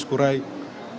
perjuangan ini adalah